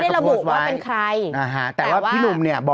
หลากหลายรอดอย่างเดียว